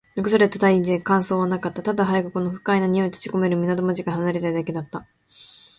残された隊員達に感想はなかった。ただ、早くこの不快な臭いの立ち込める港町から離れたいだけだった。